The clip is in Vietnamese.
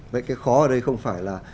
vậy cái khó ở đây không phải là